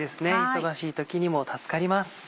忙しい時にも助かります。